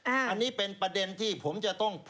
อันนี้เป็นประเด็นที่ผมจะต้อง